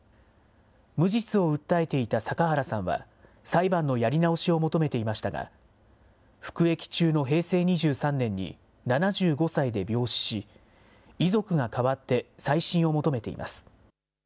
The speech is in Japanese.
無実を訴えていた阪原さんは、裁判のやり直しを求めていましたが、服役中の平成２３年に７５歳で病死し、遺族が代わって再審を求めています。